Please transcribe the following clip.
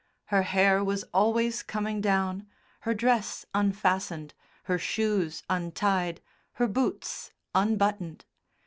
Her hair was always coming down, her dress unfastened, her shoes untied, her boots unbuttoned.